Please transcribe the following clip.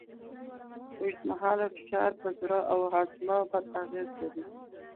اوږدمهاله فشار پر زړه او هاضمه بد اغېز لري.